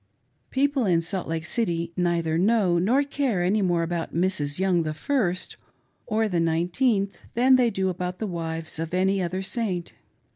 People in Salt Lake City neither know nor care any more about Mrs. Young the first or the nineteenth than they do about the wives of any other Saint.